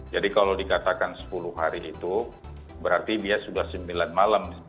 jadi kalau dikatakan sepuluh hari itu berarti dia sudah sembilan malam